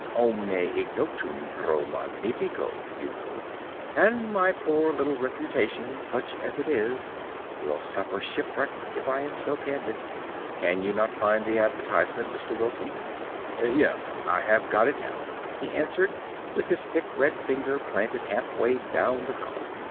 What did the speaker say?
'Omne ignotum pro magnifico,' you know, and my poor little reputation, such as it is, will suffer shipwreck if I am so candid. Can you not find the advertisement, Mr. Wilson?" "Yes, I have got it now," he answered with his thick red finger planted halfway down the column.